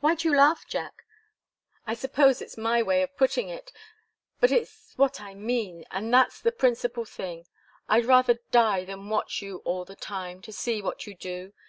"Why do you laugh, Jack? Oh, I suppose it's my way of putting it. But it's what I mean, and that's the principal thing. I'd rather die than watch you all the time, to see what you do.